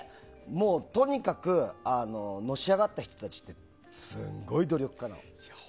とにかくのし上がった人たちってすごい努力家なの。